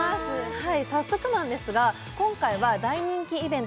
はい早速なんですが今回は大人気イベント